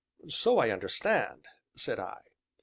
"So I understand," said I.